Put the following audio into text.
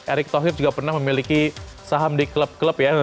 erick thohir juga pernah memiliki saham di klub klub ya